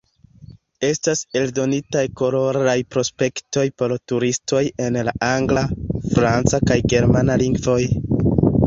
Estas eldonitaj koloraj prospektoj por turistoj en la angla, franca kaj germana lingvoj.